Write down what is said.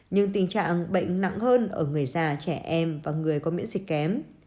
nhưng tình trạng bệnh nặng hơn ở người già trẻ em và người có miễn dịch kém